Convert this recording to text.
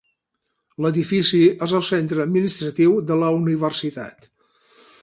L'edifici és el centre administratiu de la universitat.